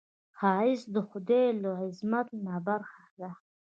ښایست د خدای له عظمت نه برخه ده